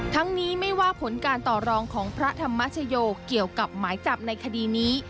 ทั้งนี้ไม่ว่าผลการต่อรองของพระธรรมชโยเกี่ยวกับหมายจับในคดีนี้